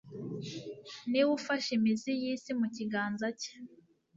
ni we ufashe imizi y'isi mu kiganza cye